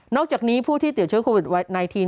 อกจากนี้ผู้ที่ติดเชื้อโควิด๑๙